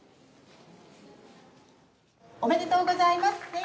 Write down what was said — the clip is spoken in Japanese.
おめでとうございます。